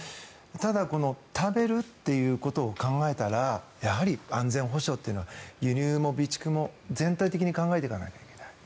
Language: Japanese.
ただこの食べるということを考えたらやはり安全保障というのは輸入も備蓄も全体的に考えていけないといけない。